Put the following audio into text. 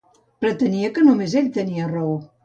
Pretenia que només ell tenia raó.